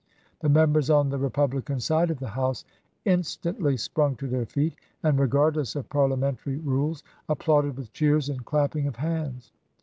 The Members on the Eepublican side of the House instantly sprung to their feet, and, regardless of parliamentary rules, applauded with cheers and clapping of hands.